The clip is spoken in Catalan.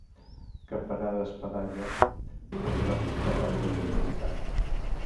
Campanar d'espadanya amb grossos carreus de pedra picada.